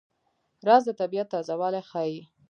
رس د طبیعت تازهوالی ښيي